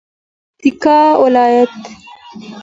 پکتیا ولایت